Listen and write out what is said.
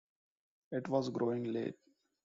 It was growing late.